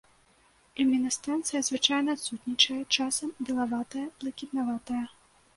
Люмінесцэнцыя звычайна адсутнічае, часам белаватая, блакітнаватая.